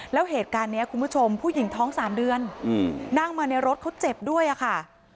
แล้วเหตุการณ์นี้คุณผู้ชมผู้หญิงท้อง๓เดือนนั่งมาในรถเขาเจ็บด้วยอะค่ะ